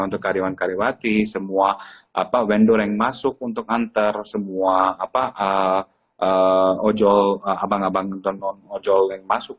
untuk karyawan karyawati semua vendor yang masuk untuk antar semua abang abang yang masuk